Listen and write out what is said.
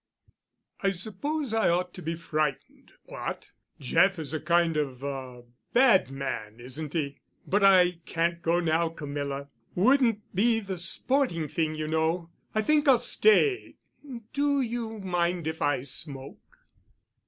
"I suppose I ought to be frightened. What? Jeff is a kind of a 'bad man,' isn't he? But I can't go now, Camilla. Wouldn't be the sporting thing, you know. I think I'll stay. Do you mind if I smoke?"